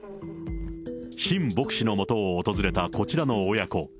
シン牧師のもとを訪れたこちらの親子。